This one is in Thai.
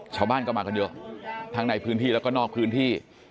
ชาวบ้านก็มากันเยอะทั้งในพื้นที่แล้วก็นอกพื้นที่